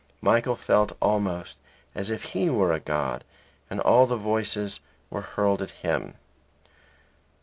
Michael felt almost as if he were a god, and all the voices were hurled at him.